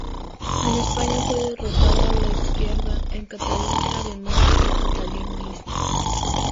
En España fue derrotada la izquierda, en Cataluña, además, el catalanismo.